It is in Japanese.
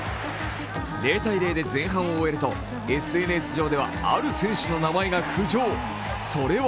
０−０で前半を終えるとＳＮＳ上ではある選手の名前が浮上。